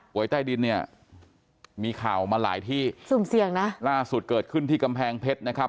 ใต้ดินเนี่ยมีข่าวมาหลายที่สุ่มเสี่ยงนะล่าสุดเกิดขึ้นที่กำแพงเพชรนะครับ